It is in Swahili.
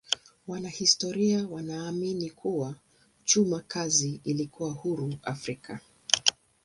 Wanahistoria wanaamini kuwa chuma kazi ilikuwa huru Afrika.